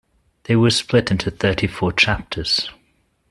They were split into thirty-four chapters.